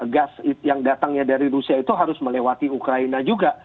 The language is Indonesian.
gas yang datangnya dari rusia itu harus melewati ukraina juga